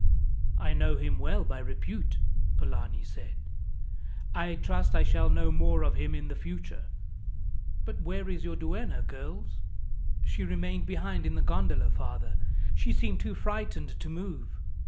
"I know him well by repute," Polani said. "I trust I shall know more of him in the future. "But where is your duenna, girls?" "She remained behind in the gondola, father; she seemed too frightened to move."